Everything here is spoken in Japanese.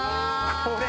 これ！